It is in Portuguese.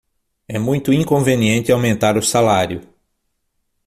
É muito inconveniente aumentar o salário